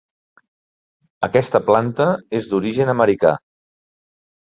Aquesta planta és d'origen americà.